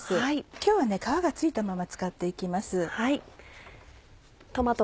今日は皮が付いたまま使って行きます。